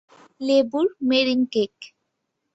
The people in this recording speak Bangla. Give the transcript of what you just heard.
লেবুর মেরিং কেক।